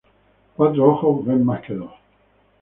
Cuatro ojos ven más que dos